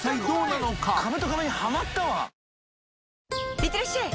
いってらっしゃい！